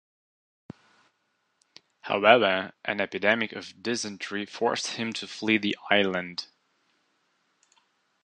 However, an epidemic of dysentery forced him to flee the island.